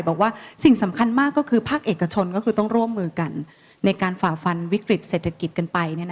บอกว่าสิ่งสำคัญมากก็คือภาคเอกชนก็คือต้องร่วมมือกันในการฝ่าฟันวิกฤตเศรษฐกิจกันไป